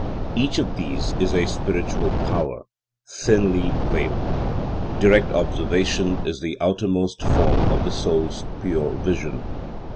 Each of these is a spiritual power, thinly veiled. Direct observation is the outermost form of the Soul's pure vision.